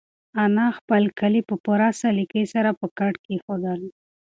انا خپل کالي په پوره سلیقې سره په کټ کېښودل.